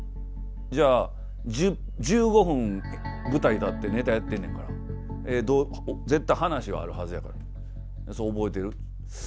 じゃあ１５分舞台に立ってネタやってんねんから絶対話はあるはずやからそれ覚えてる？」